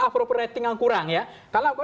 apropriating yang kurang ya kalau